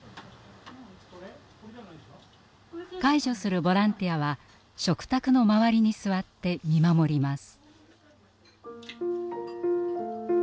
介助するボランティアは食卓の周りに座って見守ります。